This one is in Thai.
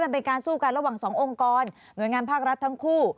เป็นการสู้กันระหว่างสององค์กรหน่วยงานภาครัฐทั้งคู่